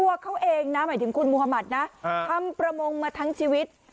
ตัวเขาเองนะหมายถึงคุณมุธมัตินะทำประมงมาทั้งชีวิต